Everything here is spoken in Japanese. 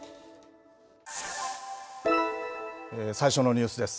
最初のニュースです。